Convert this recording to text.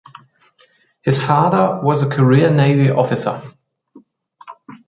His father was a career Navy officer.